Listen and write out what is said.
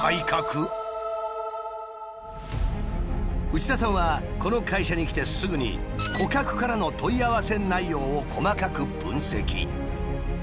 内田さんはこの会社に来てすぐに顧客からの問い合わせ内容を細かく分析。